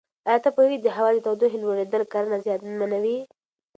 ایا ته پوهېږې چې د هوا د تودوخې لوړېدل کرنه زیانمنوي؟